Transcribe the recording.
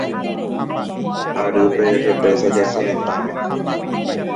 Ary pe Represa Jasyretãme.